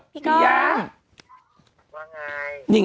พี่กล้อง